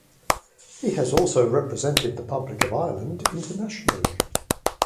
He has also represented the Republic of Ireland internationally.